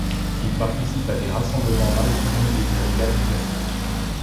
Il participe à des rassemblements maritimes et des régates classiques.